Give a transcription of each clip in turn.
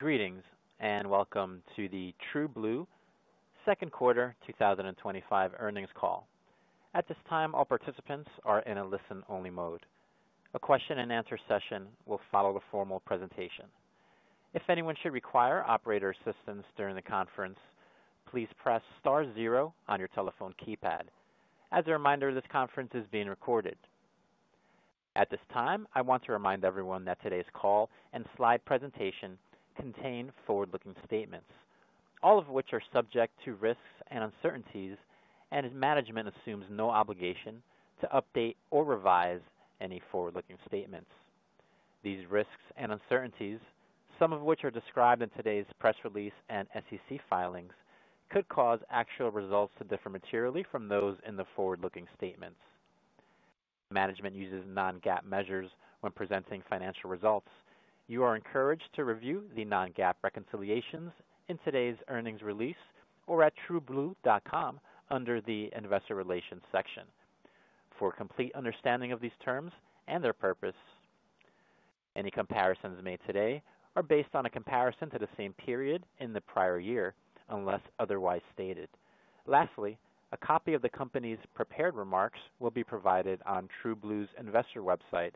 Greetings and welcome to the TrueBlue Second Quarter 2025 Earnings Call. At this time, all participants are in a listen-only mode. A question and answer session will follow the formal presentation. If anyone should require operator assistance during the conference, please press *0 on your telephone keypad. As a reminder, this conference is being recorded. At this time, I want to remind everyone that today's call and slide presentation contain forward-looking statements, all of which are subject to risks and uncertainties, and management assumes no obligation to update or revise any forward-looking statements. These risks and uncertainties, some of which are described in today's press release and SEC filings, could cause actual results to differ materially from those in the forward-looking statements. Management uses non-GAAP measures when presenting financial results. You are encouraged to review the non-GAAP reconciliations in today's earnings release or at TrueBlue.com under the Investor Relations section. For a complete understanding of these terms and their purpose, any comparisons made today are based on a comparison to the same period in the prior year, unless otherwise stated. Lastly, a copy of the company's prepared remarks will be provided on TrueBlue's investor website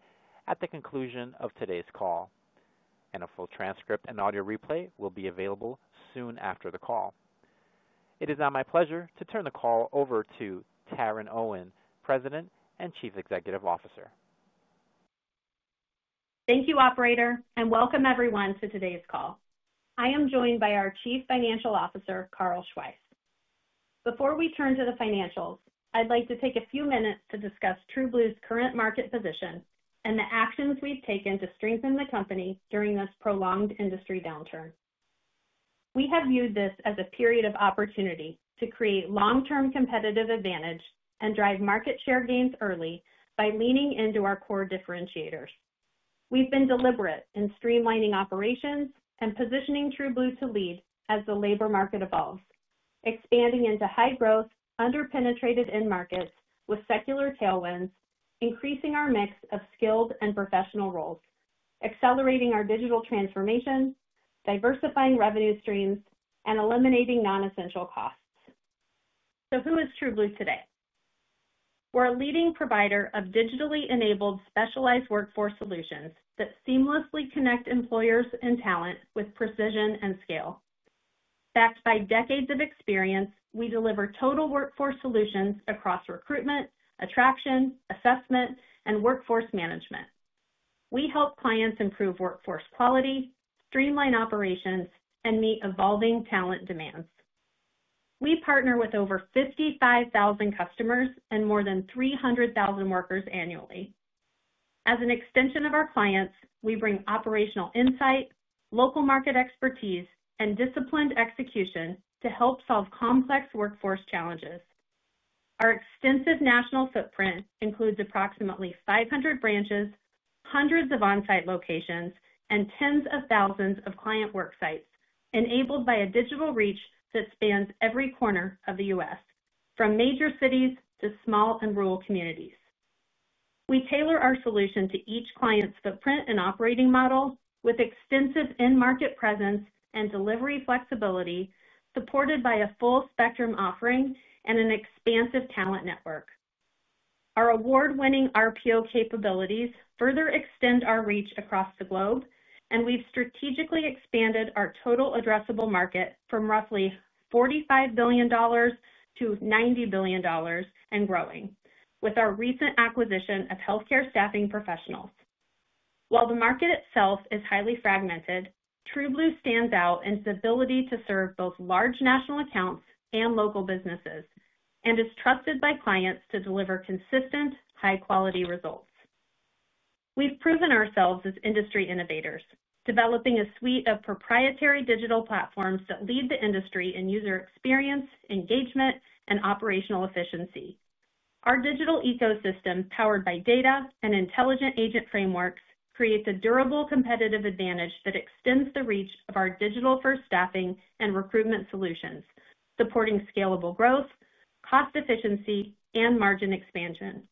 at the conclusion of today's call. A full transcript and audio replay will be available soon after the call. It is now my pleasure to turn the call over to Taryn Owen, President and Chief Executive Officer. Thank you, Operator, and welcome everyone to today's call. I am joined by our Chief Financial Officer, Carl Schweihs. Before we turn to the financials, I'd like to take a few minutes to discuss TrueBlue's current market position and the actions we've taken to strengthen the company during this prolonged industry downturn. We have viewed this as a period of opportunity to create long-term competitive advantage and drive market share gains early by leaning into our core differentiators. We've been deliberate in streamlining operations and positioning TrueBlue to lead as the labor market evolves, expanding into high-growth, underpenetrated end markets with secular tailwinds, increasing our mix of skilled and professional roles, accelerating our digital transformation, diversifying revenue streams, and eliminating non-essential costs. Who is TrueBlue today? We're a leading provider of digitally enabled specialized workforce solutions that seamlessly connect employers and talent with precision and scale. Backed by decades of experience, we deliver total workforce solutions across recruitment, attraction, assessment, and workforce management. We help clients improve workforce quality, streamline operations, and meet evolving talent demands. We partner with over 55,000 customers and more than 300,000 workers annually. As an extension of our clients, we bring operational insight, local market expertise, and disciplined execution to help solve complex workforce challenges. Our extensive national footprint includes approximately 500 branches, hundreds of on-site locations, and tens of thousands of client worksites, enabled by a digital reach that spans every corner of the U.S., from major cities to small and rural communities. We tailor our solution to each client's footprint and operating model with extensive end-market presence and delivery flexibility, supported by a full-spectrum offering and an expansive talent network. Our award-winning RPO capabilities further extend our reach across the globe, and we've strategically expanded our total addressable market from roughly $45 billion-$90 billion and growing, with our recent acquisition of Healthcare Staffing Professionals. While the market itself is highly fragmented, TrueBlue stands out in its ability to serve both large national accounts and local businesses and is trusted by clients to deliver consistent, high-quality results. We've proven ourselves as industry innovators, developing a suite of proprietary digital platforms that lead the industry in user experience, engagement, and operational efficiency. Our digital ecosystem, powered by data and intelligent agent frameworks, creates a durable competitive advantage that extends the reach of our digital-first staffing and recruitment solutions, supporting scalable growth, cost efficiency, and margin expansion.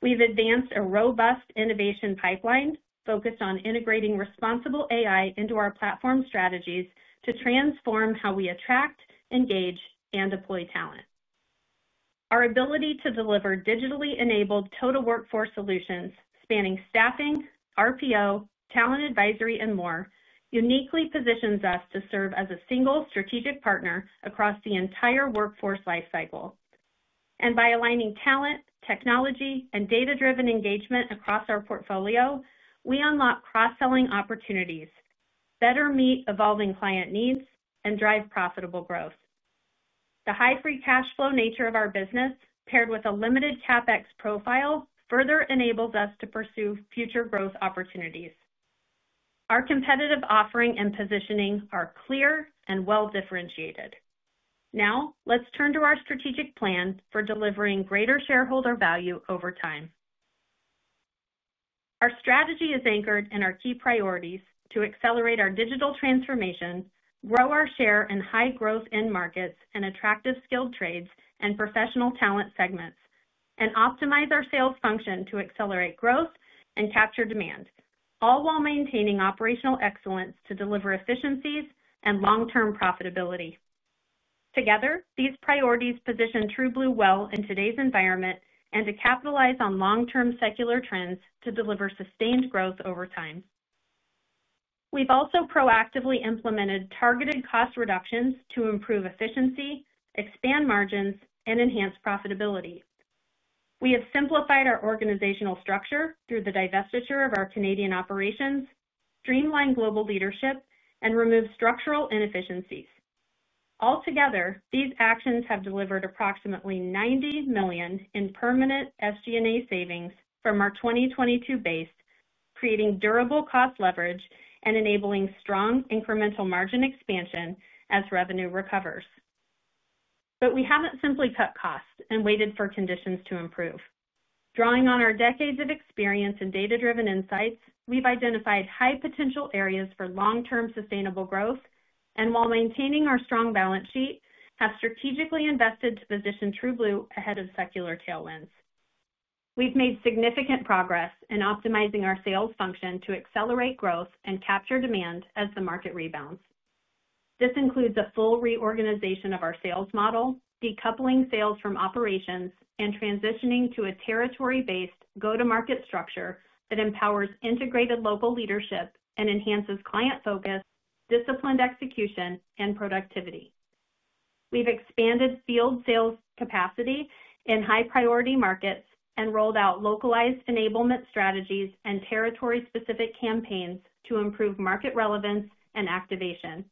We've advanced a robust innovation pipeline focused on integrating responsible AI into our platform strategies to transform how we attract, engage, and deploy talent. Our ability to deliver digitally enabled total workforce solutions, spanning staffing, RPO, talent advisory, and more, uniquely positions us to serve as a single strategic partner across the entire workforce lifecycle. By aligning talent, technology, and data-driven engagement across our portfolio, we unlock cross-selling opportunities, better meet evolving client needs, and drive profitable growth. The high free cash flow nature of our business, paired with a limited CapEx profile, further enables us to pursue future growth opportunities. Our competitive offering and positioning are clear and well-differentiated. Now, let's turn to our strategic plan for delivering greater shareholder value over time. Our strategy is anchored in our key priorities to accelerate our digital transformation, grow our share in high-growth end markets and attractive skilled trades and professional talent segments, and optimize our sales function to accelerate growth and capture demand, all while maintaining operational excellence to deliver efficiencies and long-term profitability. Together, these priorities position TrueBlue well in today's environment and to capitalize on long-term secular trends to deliver sustained growth over time. We've also proactively implemented targeted cost reductions to improve efficiency, expand margins, and enhance profitability. We have simplified our organizational structure through the divestiture of our Canadian operations, streamlined global leadership, and removed structural inefficiencies. Altogether, these actions have delivered approximately $90 million in permanent SG&A savings from our 2022 base, creating durable cost leverage and enabling strong incremental margin expansion as revenue recovers. We haven't simply cut costs and waited for conditions to improve. Drawing on our decades of experience and data-driven insights, we've identified high potential areas for long-term sustainable growth and, while maintaining our strong balance sheet, have strategically invested to position TrueBlue ahead of secular tailwinds. We've made significant progress in optimizing our sales function to accelerate growth and capture demand as the market rebounds. This includes a full reorganization of our sales model, decoupling sales from operations, and transitioning to a territory-based go-to-market structure that empowers integrated local leadership and enhances client focus, disciplined execution, and productivity. We've expanded field sales capacity in high-priority markets and rolled out localized enablement strategies and territory-specific campaigns to improve market relevance and activation.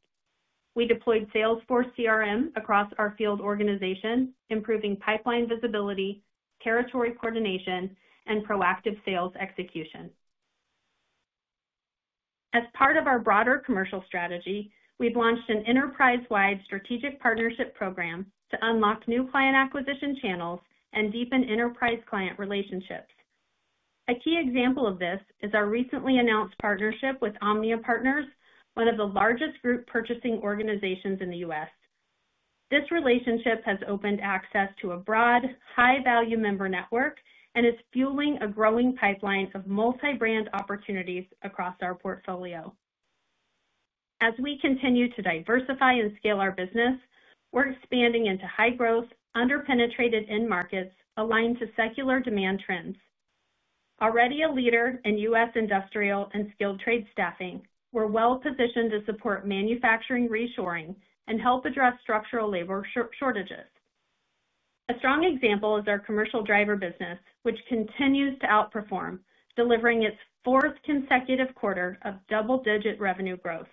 We deployed Salesforce CRM across our field organization, improving pipeline visibility, territory coordination, and proactive sales execution. As part of our broader commercial strategy, we've launched an enterprise-wide strategic partnership program to unlock new client acquisition channels and deepen enterprise client relationships. A key example of this is our recently announced partnership with OMNIA Partners, one of the largest group purchasing organizations in the U.S. This relationship has opened access to a broad, high-value member network and is fueling a growing pipeline of multi-brand opportunities across our portfolio. As we continue to diversify and scale our business, we're expanding into high-growth, underpenetrated end markets aligned to secular demand trends. Already a leader in U.S. industrial and skilled trade staffing, we're well-positioned to support manufacturing reshoring and help address structural labor shortages. A strong example is our commercial driver business, which continues to outperform, delivering its fourth consecutive quarter of double-digit revenue growth.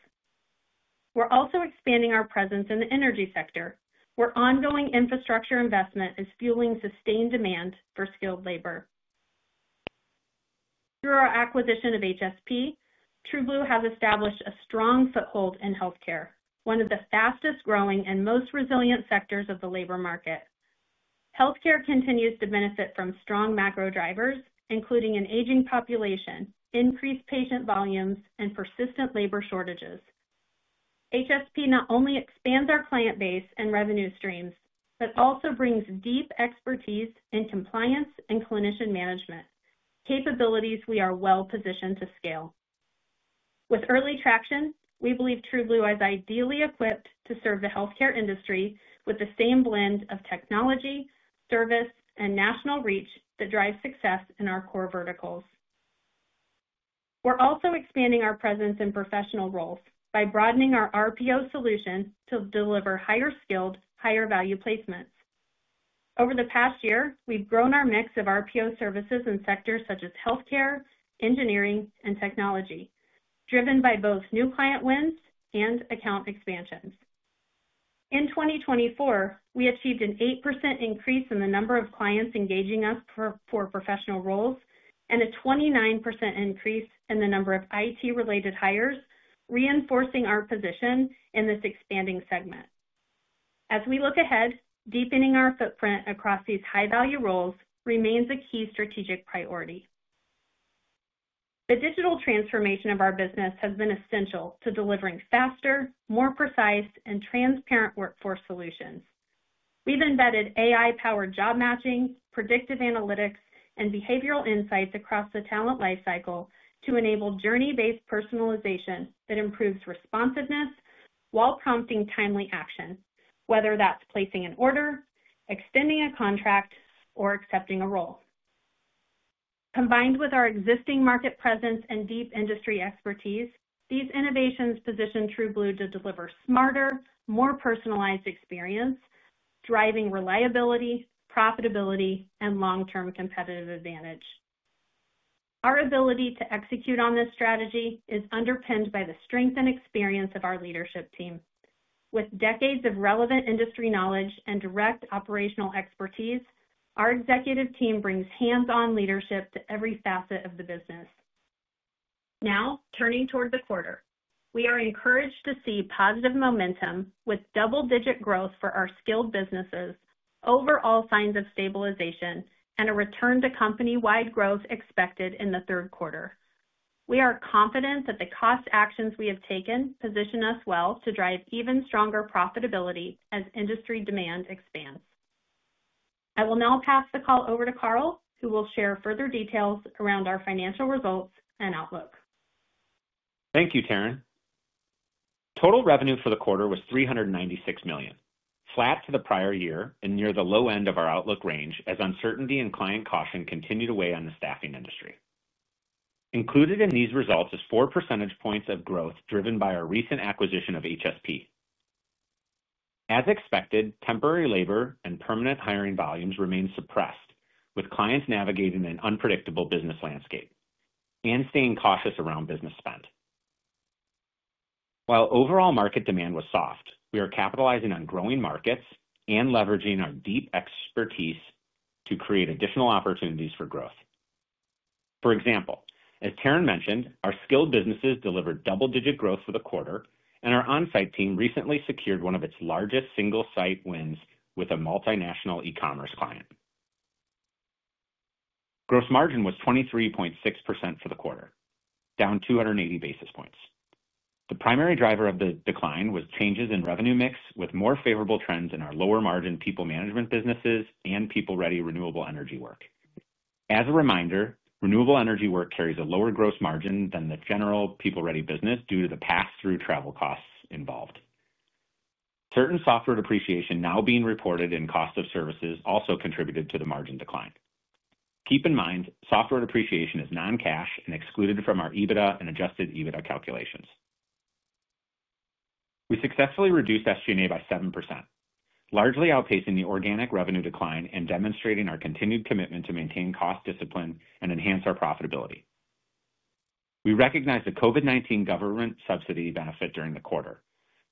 We're also expanding our presence in the energy sector, where ongoing infrastructure investment is fueling sustained demand for skilled labor. Through our acquisition of HSP, TrueBlue has established a strong foothold in healthcare, one of the fastest growing and most resilient sectors of the labor market. Healthcare continues to benefit from strong macro drivers, including an aging population, increased patient volumes, and persistent labor shortages. HSP not only expands our client base and revenue streams but also brings deep expertise in compliance and clinician management, capabilities we are well-positioned to scale. With early traction, we believe TrueBlue is ideally equipped to serve the healthcare industry with the same blend of technology, service, and national reach that drives success in our core verticals. We're also expanding our presence in professional roles by broadening our RPO solution to deliver higher skilled, higher value placements. Over the past year, we've grown our mix of RPO services in sectors such as healthcare, engineering, and technology, driven by both new client wins and account expansions. In 2024, we achieved an 8% increase in the number of clients engaging us for professional roles and a 29% increase in the number of IT-related hires, reinforcing our position in this expanding segment. As we look ahead, deepening our footprint across these high-value roles remains a key strategic priority. The digital transformation of our business has been essential to delivering faster, more precise, and transparent workforce solutions. We've embedded AI-powered job matching, predictive analytics, and behavioral insights across the talent lifecycle to enable journey-based personalization that improves responsiveness while prompting timely action, whether that's placing an order, extending a contract, or accepting a role. Combined with our existing market presence and deep industry expertise, these innovations position TrueBlue to deliver a smarter, more personalized experience, driving reliability, profitability, and long-term competitive advantage. Our ability to execute on this strategy is underpinned by the strength and experience of our leadership team. With decades of relevant industry knowledge and direct operational expertise, our executive team brings hands-on leadership to every facet of the business. Now, turning toward the quarter, we are encouraged to see positive momentum with double-digit growth for our skilled businesses overall, signs of stabilization, and a return to company-wide growth expected in the third quarter. We are confident that the cost actions we have taken position us well to drive even stronger profitability as industry demand expands. I will now pass the call over to Carl, who will share further details around our financial results and outlook. Thank you, Taryn. Total revenue for the quarter was $396 million, flat to the prior year and near the low end of our outlook range as uncertainty and client caution continued to weigh on the staffing industry. Included in these results is 4% of growth driven by our recent acquisition of HSP. As expected, temporary labor and permanent hiring volumes remain suppressed, with clients navigating an unpredictable business landscape and staying cautious around business spend. While overall market demand was soft, we are capitalizing on growing markets and leveraging our deep expertise to create additional opportunities for growth. For example, as Taryn mentioned, our skilled businesses delivered double-digit growth for the quarter, and our on-site team recently secured one of its largest single-site wins with a multinational e-commerce client. Gross margin was 23.6% for the quarter, down 280 basis points. The primary driver of the decline was changes in revenue mix, with more favorable trends in our lower margin PeopleManagement businesses and PeopleReady renewable energy work. As a reminder, renewable energy work carries a lower gross margin than the general PeopleReady business due to the pass-through travel costs involved. Certain software depreciation now being reported in cost of services also contributed to the margin decline. Keep in mind, software depreciation is non-cash and excluded from our EBITDA and adjusted EBITDA calculations. We successfully reduced SG&A by 7%, largely outpacing the organic revenue decline and demonstrating our continued commitment to maintain cost discipline and enhance our profitability. We recognized the COVID-19 government subsidy benefit during the quarter,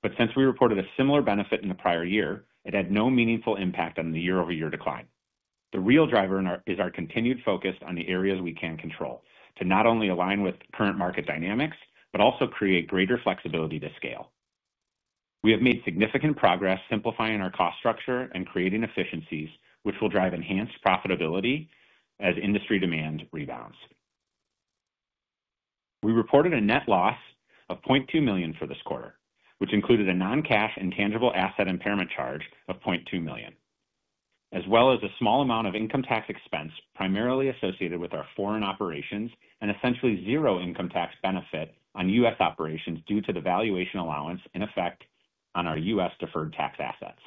but since we reported a similar benefit in the prior year, it had no meaningful impact on the year-over-year decline. The real driver is our continued focus on the areas we can control to not only align with current market dynamics but also create greater flexibility to scale. We have made significant progress simplifying our cost structure and creating efficiencies, which will drive enhanced profitability as industry demand rebounds. We reported a net loss of $0.2 million for this quarter, which included a non-cash intangible asset impairment charge of $0.2 million, as well as a small amount of income tax expense primarily associated with our foreign operations and essentially zero income tax benefit on U.S. operations due to the valuation allowance in effect on our U.S. deferred tax assets.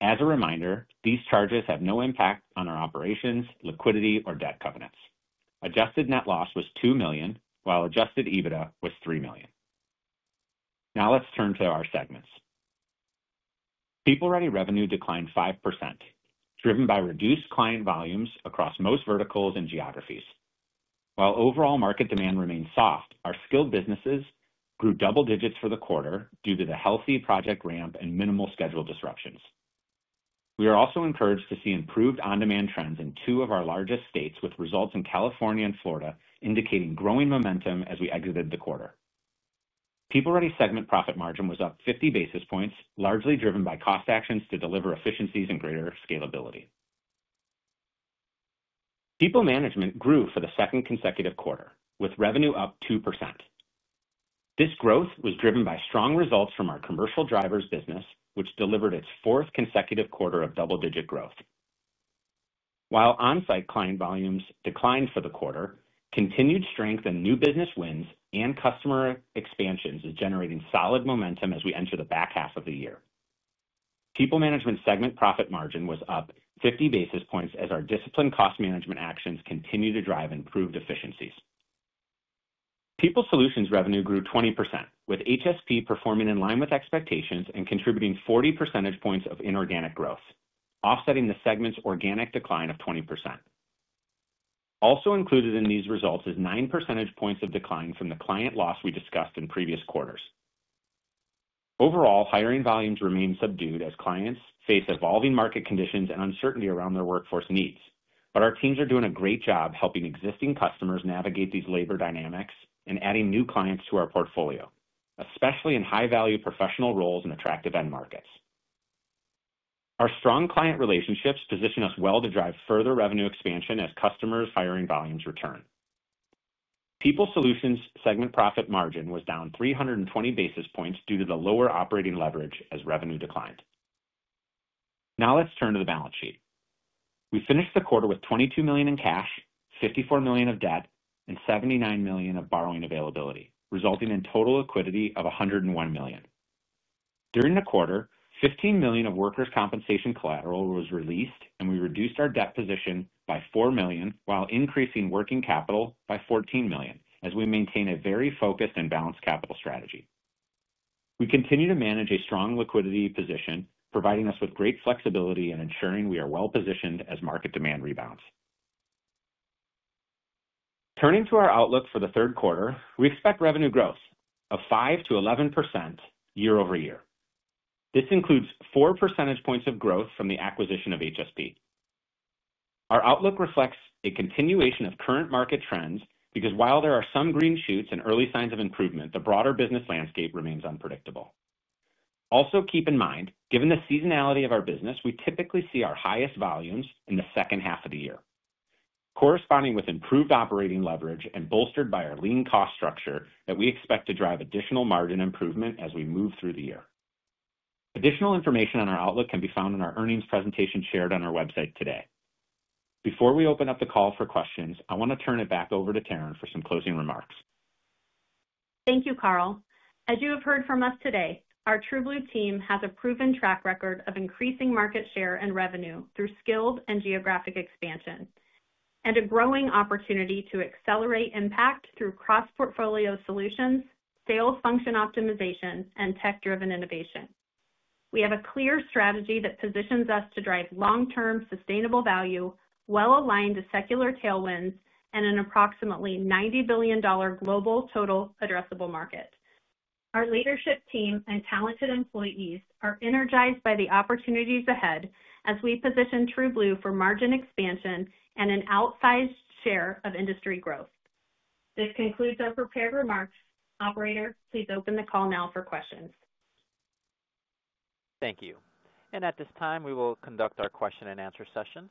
As a reminder, these charges have no impact on our operations, liquidity, or debt covenants. Adjusted net loss was $2 million, while adjusted EBITDA was $3 million. Now let's turn to our segments. PeopleReady revenue declined 5%, driven by reduced client volumes across most verticals and geographies. While overall market demand remained soft, our skilled businesses grew double digits for the quarter due to the healthy project ramp and minimal schedule disruptions. We are also encouraged to see improved on-demand trends in two of our largest states, with results in California and Florida indicating growing momentum as we exited the quarter. PeopleReady segment profit margin was up 50 basis points, largely driven by cost actions to deliver efficiencies and greater scalability. PeopleManagement grew for the second consecutive quarter, with revenue up 2%. This growth was driven by strong results from our commercial driver services business, which delivered its fourth consecutive quarter of double-digit growth. While on-site client volumes declined for the quarter, continued strength in new business wins and customer expansions is generating solid momentum as we enter the back half of the year. PeopleManagement segment profit margin was up 50 basis points as our disciplined cost management actions continue to drive improved efficiencies. PeopleScout revenue grew 20%, with HSP performing in line with expectations and contributing 40 percentage points of inorganic growth, offsetting the segment's organic decline of 20%. Also included in these results is 9 percentage points of decline from the client loss we discussed in previous quarters. Overall, hiring volumes remain subdued as clients face evolving market conditions and uncertainty around their workforce needs, but our teams are doing a great job helping existing customers navigate these labor dynamics and adding new clients to our portfolio, especially in high-value professional roles and attractive end markets. Our strong client relationships position us well to drive further revenue expansion as customers' hiring volumes return. People solutions segment profit margin was down 320 basis points due to the lower operating leverage as revenue declined. Now let's turn to the balance sheet. We finished the quarter with $22 million in cash, $54 million of debt, and $79 million of borrowing availability, resulting in total liquidity of $101 million. During the quarter, $15 million of workers' compensation collateral was released, and we reduced our debt position by $4 million, while increasing working capital by $14 million as we maintain a very focused and balanced capital strategy. We continue to manage a strong liquidity position, providing us with great flexibility and ensuring we are well-positioned as market demand rebounds. Turning to our outlook for the third quarter, we expect revenue growth of 5%-11% year-over-year. This includes four percentage points of growth from the acquisition of HSP. Our outlook reflects a continuation of current market trends because while there are some green shoots and early signs of improvement, the broader business landscape remains unpredictable. Also, keep in mind, given the seasonality of our business, we typically see our highest volumes in the second half of the year, corresponding with improved operating leverage and bolstered by our lean cost structure that we expect to drive additional margin improvement as we move through the year. Additional information on our outlook can be found in our earnings presentation shared on our website today. Before we open up the call for questions, I want to turn it back over to Taryn for some closing remarks. Thank you, Carl. As you have heard from us today, our TrueBlue team has a proven track record of increasing market share and revenue through skilled and geographic expansion and a growing opportunity to accelerate impact through cross-portfolio solutions, sales function optimization, and tech-driven innovation. We have a clear strategy that positions us to drive long-term sustainable value, well-aligned to secular tailwinds, and an approximately $90 billion global total addressable market. Our leadership team and talented employees are energized by the opportunities ahead as we position TrueBlue for margin expansion and an outsized share of industry growth. This concludes our prepared remarks. Operator, please open the call now for questions. Thank you. At this time, we will conduct our question and answer session.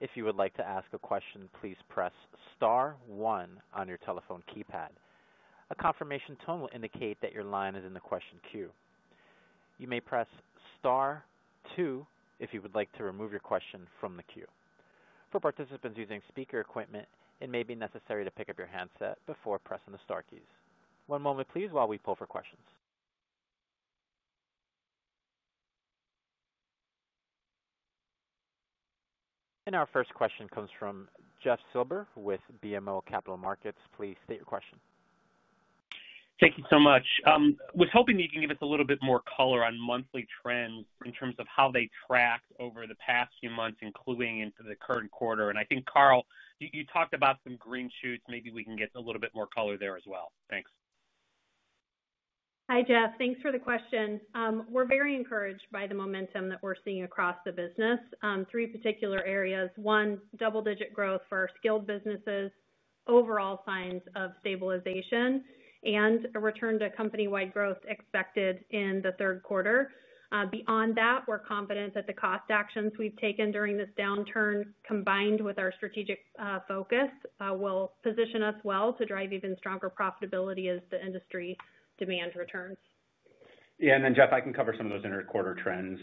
If you would like to ask a question, please press *1 on your telephone keypad. A confirmation tone will indicate that your line is in the question queue. You may press *2 if you would like to remove your question from the queue. For participants using speaker equipment, it may be necessary to pick up your handset before pressing the * keys. One moment, please, while we pull for questions. Our first question comes from Jeff Silber with BMO Capital Markets. Please state your question. Thank you so much. I was hoping you can give us a little bit more color on monthly trends in terms of how they tracked over the past few months, including into the current quarter. I think, Carl, you talked about some green shoots. Maybe we can get a little bit more color there as well. Thanks. Hi, Jeff. Thanks for the question. We're very encouraged by the momentum that we're seeing across the business. Three particular areas: one, double-digit growth for our skilled businesses, overall signs of stabilization, and a return to company-wide growth expected in the third quarter. Beyond that, we're confident that the cost actions we've taken during this downturn, combined with our strategic focus, will position us well to drive even stronger profitability as the industry demand returns. Yeah, Jeff, I can cover some of those interquarter trends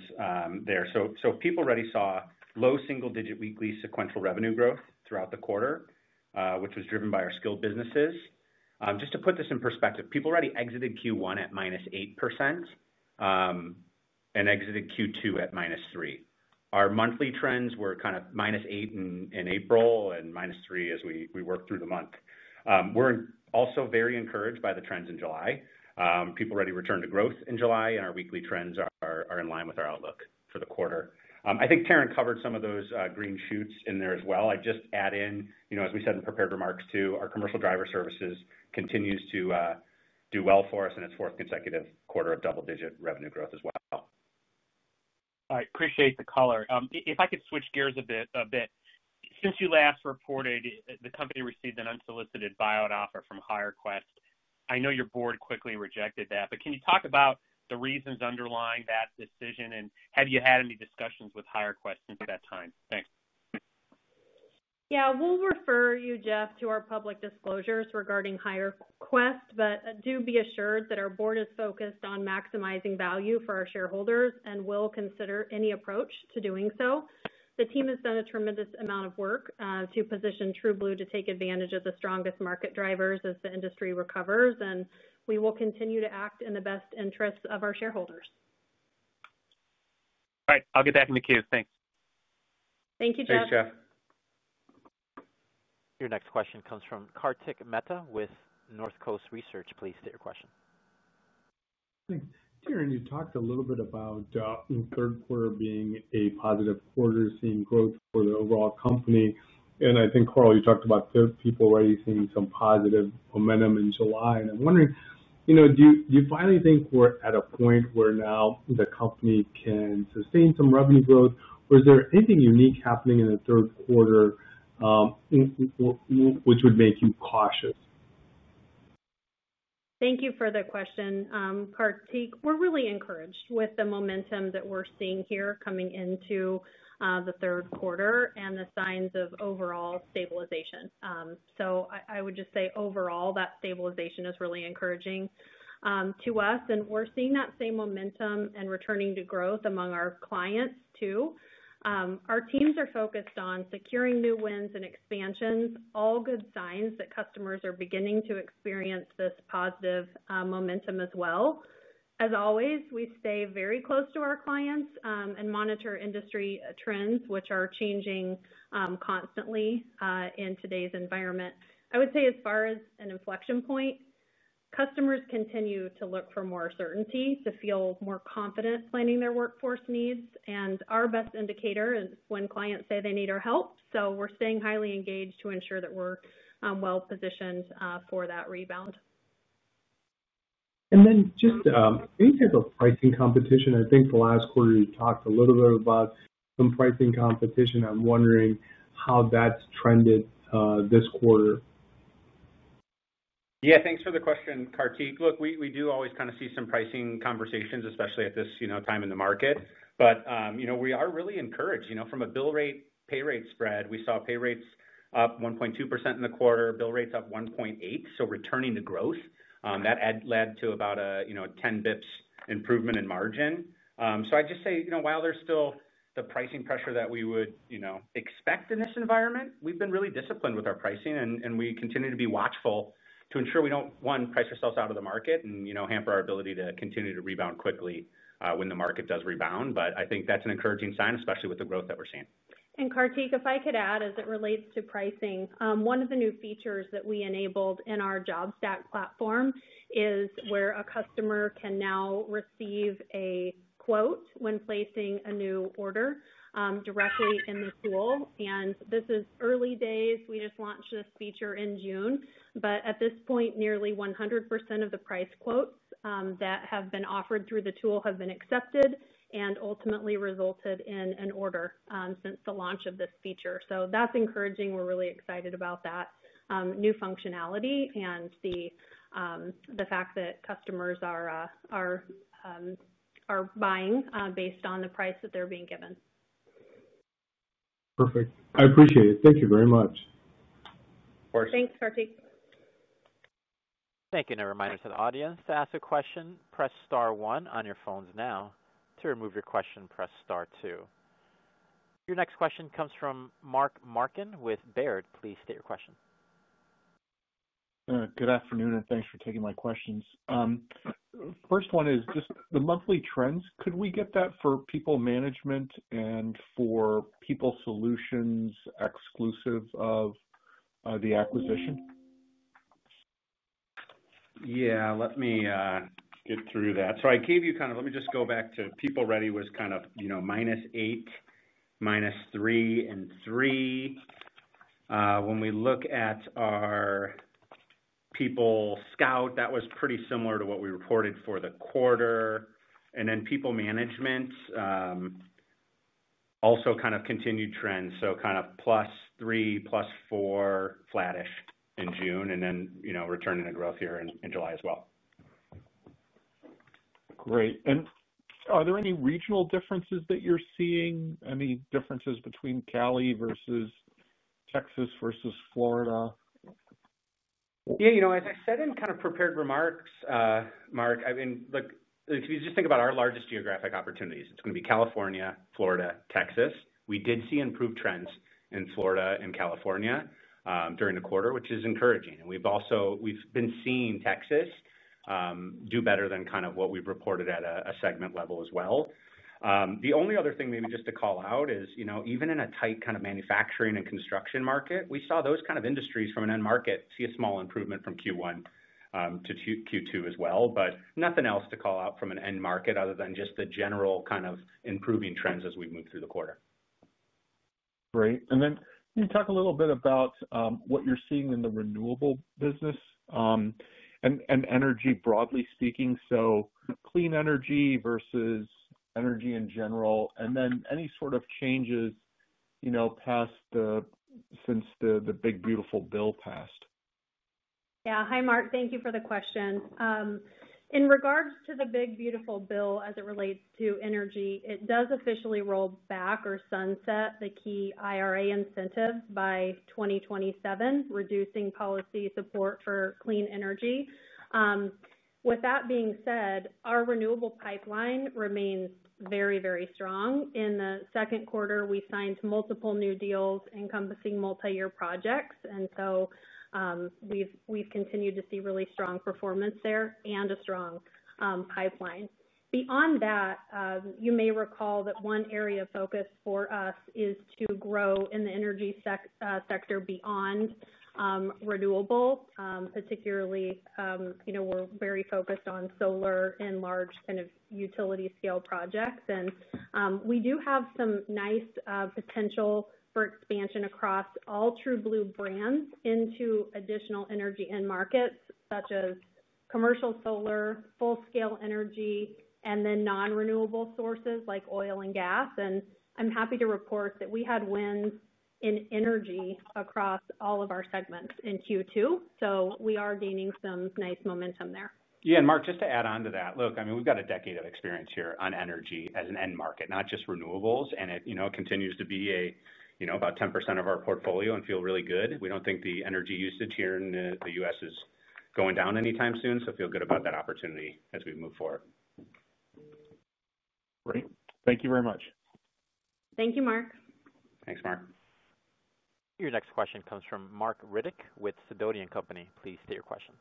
there. PeopleReady saw low single-digit weekly sequential revenue growth throughout the quarter, which was driven by our skilled businesses. Just to put this in perspective, PeopleReady exited Q1 at -8% and exited Q2 at -3%. Our monthly trends were kind of -8% in April and -3% as we worked through the month. We're also very encouraged by the trends in July. PeopleReady returned to growth in July, and our weekly trends are in line with our outlook for the quarter. I think Taryn covered some of those green shoots in there as well. I'd just add in, as we said in prepared remarks too, our commercial driver services continue to do well for us in its fourth consecutive quarter of double-digit revenue growth as well. I appreciate the color. If I could switch gears a bit, since you last reported, the company received an unsolicited buyout offer from HireQuest. I know your board quickly rejected that, but can you talk about the reasons underlying that decision, and have you had any discussions with HireQuest since that time? Thanks. Yeah, we'll refer you, Jeff, to our public disclosures regarding HireQuest, but do be assured that our Board is focused on maximizing value for our shareholders and will consider any approach to doing so. The team has done a tremendous amount of work to position TrueBlue to take advantage of the strongest market drivers as the industry recovers, and we will continue to act in the best interests of our shareholders. All right, I'll get that in the queue. Thanks. Thank you, Jeff. Thanks, Jeff. Your next question comes from Kartik Mehta with Northcoast Research. Please state your question. Thanks. Taryn, you talked a little bit about the third quarter being a positive quarter, seeing growth for the overall company. I think, Carl, you talked about PeopleReady seeing some positive momentum in July. I'm wondering, do you finally think we're at a point where now the company can sustain some revenue growth, or is there anything unique happening in the third quarter which would make you cautious? Thank you for the question, Kartik. We're really encouraged with the momentum that we're seeing here coming into the third quarter and the signs of overall stabilization. I would just say overall that stabilization is really encouraging to us, and we're seeing that same momentum and returning to growth among our clients too. Our teams are focused on securing new wins and expansions, all good signs that customers are beginning to experience this positive momentum as well. As always, we stay very close to our clients and monitor industry trends, which are changing constantly in today's environment. I would say as far as an inflection point, customers continue to look for more certainty, to feel more confident planning their workforce needs, and our best indicator is when clients say they need our help. We're staying highly engaged to ensure that we're well-positioned for that rebound. Is there any type of pricing competition? I think last quarter you talked a little bit about some pricing competition. I'm wondering how that's trended this quarter. Yeah, thanks for the question, Kartik. We do always kind of see some pricing conversations, especially at this time in the market. We are really encouraged. From a bill rate pay rate spread, we saw pay rates up 1.2% in the quarter, bill rates up 1.8%. Returning to growth, that led to about a 10 basis points improvement in margin. I'd just say while there's still the pricing pressure that we would expect in this environment, we've been really disciplined with our pricing, and we continue to be watchful to ensure we don't, one, price ourselves out of the market and hamper our ability to continue to rebound quickly when the market does rebound. I think that's an encouraging sign, especially with the growth that we're seeing. Kartik, if I could add, as it relates to pricing, one of the new features that we enabled in our JobStack platform is where a customer can now receive a quote when placing a new order directly in the tool. This is early days. We just launched this feature in June. At this point, nearly 100% of the price quotes that have been offered through the tool have been accepted and ultimately resulted in an order since the launch of this feature. That is encouraging. We're really excited about that new functionality and the fact that customers are buying based on the price that they're being given. Perfect. I appreciate it. Thank you very much. Thanks, Karthik. Thank you. A reminder to the audience to ask a question, press *1 on your phones now. To remove your question, press *2. Your next question comes from Mark Marcon with Baird. Please state your question. Good afternoon, and thanks for taking my questions. First one is just the monthly trends. Could we get that for PeopleManagement and for people solutions exclusive of the acquisition? Let me get through that. I gave you kind of, let me just go back to PeopleReady was kind of, you know, -8, -3, and 3. When we look at our PeopleScout, that was pretty similar to what we reported for the quarter. PeopleManagement also kind of continued trends, so kind of +3, +4, flattish in June, and then, you know, returning to growth here in July as well. Are there any regional differences that you're seeing? Any differences between Cali versus Texas versus Florida? Yeah, as I said in kind of prepared remarks, Mark, I mean, look, if you just think about our largest geographic opportunities, it's going to be California, Florida, Texas. We did see improved trends in Florida and California during the quarter, which is encouraging. We've also been seeing Texas do better than kind of what we've reported at a segment level as well. The only other thing maybe just to call out is, even in a tight kind of manufacturing and construction market, we saw those kind of industries from an end market see a small improvement from Q1 to Q2 as well, but nothing else to call out from an end market other than just the general kind of improving trends as we move through the quarter. Great. Can you talk a little bit about what you're seeing in the renewable business and energy, broadly speaking? Clean energy versus energy in general, and any sort of changes since the Big Beautiful Bill passed? Yeah. Hi, Mark. Thank you for the question. In regards to the Big Beautiful Bill, as it relates to energy, it does officially roll back or sunset the key IRA incentives by 2027, reducing policy support for clean energy. With that being said, our renewable pipeline remains very, very strong. In the second quarter, we signed multiple new deals encompassing multi-year projects. We've continued to see really strong performance there and a strong pipeline. You may recall that one area of focus for us is to grow in the energy sector beyond renewable, particularly, you know, we're very focused on solar and large kind of utility-scale projects. We do have some nice potential for expansion across all TrueBlue brands into additional energy end markets such as commercial solar, full-scale energy, and then non-renewable sources like oil and gas. I'm happy to report that we had wins in energy across all of our segments in Q2. We are gaining some nice momentum there. Yeah, and Mark, just to add on to that, look, I mean, we've got a decade of experience here on energy as an end market, not just renewables. It continues to be about 10% of our portfolio and feel really good. We don't think the energy usage here in the U.S. is going down anytime soon. Feel good about that opportunity as we move forward. Great. Thank you very much. Thank you, Mark. Thanks, Mark. Your next question comes from Marc Riddick with Sidoti & Company. Please state your question.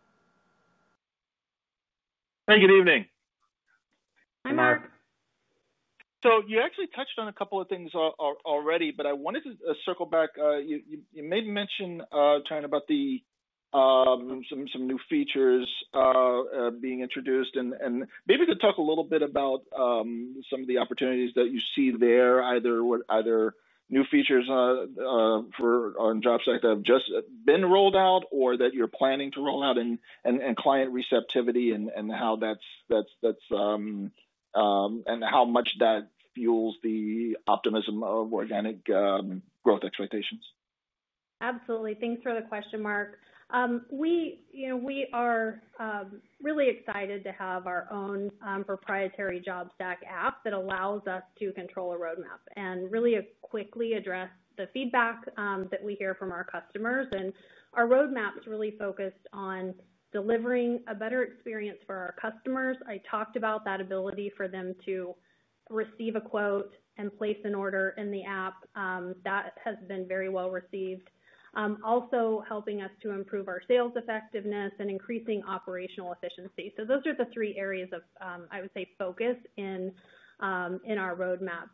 Hi, good evening. Hi, Mark. You actually touched on a couple of things already. I wanted to circle back. You made mention, Taryn, about some new features being introduced, and maybe you could talk a little bit about some of the opportunities that you see there, either new features for on job site that have just been rolled out or that you're planning to roll out, and client receptivity and how that's and how much that fuels the optimism of organic growth expectations. Absolutely. Thanks for the question, Mark. We are really excited to have our own proprietary JobStack app that allows us to control a roadmap and really quickly address the feedback that we hear from our customers. Our roadmap is really focused on delivering a better experience for our customers. I talked about that ability for them to receive a quote and place an order in the app. That has been very well received, also helping us to improve our sales effectiveness and increasing operational efficiency. Those are the three areas of, I would say, focus in our roadmap.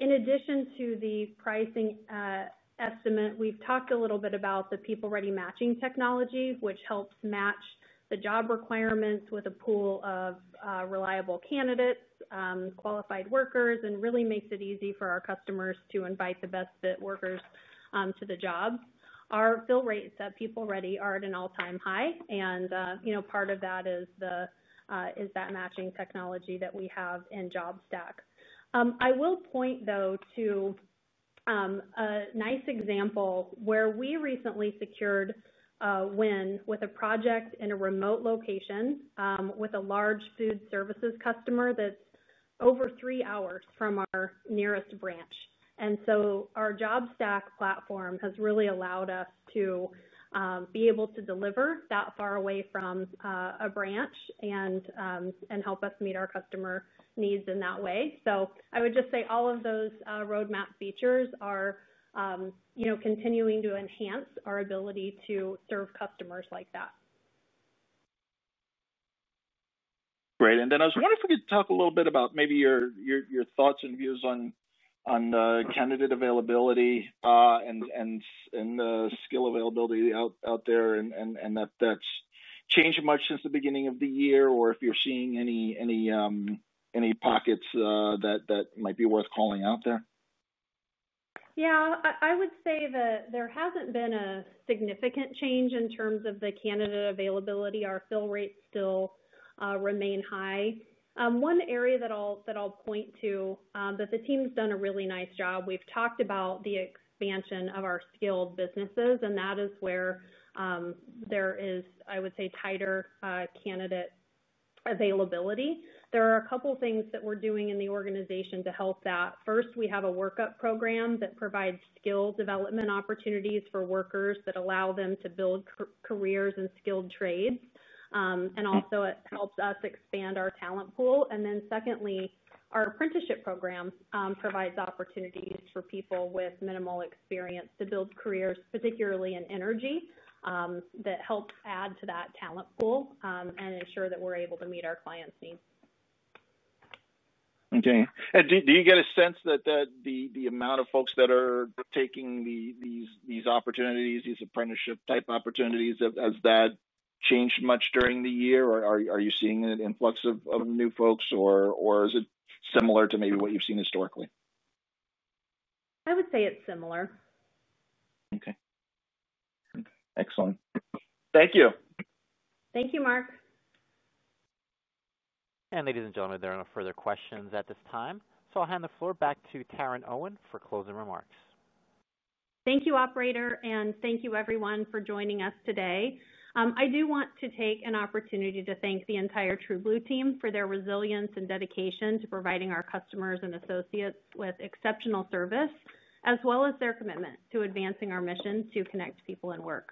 In addition to the pricing estimate, we've talked a little bit about the PeopleReady matching technology, which helps match the job requirements with a pool of reliable candidates, qualified workers, and really makes it easy for our customers to invite the best fit workers to the jobs. Our fill rates at PeopleReady are at an all-time high. Part of that is that matching technology that we have in JobStack. I will point, though, to a nice example where we recently secured a win with a project in a remote location with a large food services customer that's over three hours from our nearest branch. Our JobStack platform has really allowed us to be able to deliver that far away from a branch and help us meet our customer needs in that way. I would just say all of those roadmap features are continuing to enhance our ability to serve customers like that. Great. I was wondering if we could talk a little bit about maybe your thoughts and views on the candidate availability and the skill availability out there, if that's changed much since the beginning of the year, or if you're seeing any pockets that might be worth calling out there. Yeah, I would say that there hasn't been a significant change in terms of the candidate availability. Our fill rates still remain high. One area that I'll point to, the team's done a really nice job. We've talked about the expansion of our skilled businesses, and that is where there is, I would say, tighter candidate availability. There are a couple of things that we're doing in the organization to help that. First, we have a workup program that provides skill development opportunities for workers that allow them to build careers in skilled trades. It also helps us expand our talent pool. Secondly, our apprenticeship program provides opportunities for people with minimal experience to build careers, particularly in energy, that helps add to that talent pool and ensure that we're able to meet our clients' needs. Okay. Do you get a sense that the amount of folks that are taking these opportunities, these apprenticeship-type opportunities, has that changed much during the year, or are you seeing an influx of new folks, or is it similar to maybe what you've seen historically? I would say it's similar. Okay. Excellent. Thank you. Thank you, Mark. Ladies and gentlemen, there are no further questions at this time. I'll hand the floor back to Taryn Owen for closing remarks. Thank you, Operator, and thank you, everyone, for joining us today. I do want to take an opportunity to thank the entire TrueBlue team for their resilience and dedication to providing our customers and associates with exceptional service, as well as their commitment to advancing our mission to connect people and work.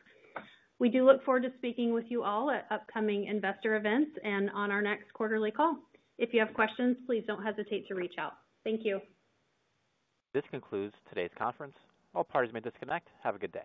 We do look forward to speaking with you all at upcoming investor events and on our next quarterly call. If you have questions, please don't hesitate to reach out. Thank you. This concludes today's conference. All parties may disconnect. Have a good day.